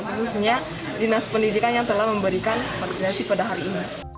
khususnya dinas pendidikan yang telah memberikan vaksinasi pada hari ini